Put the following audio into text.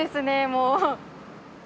もう。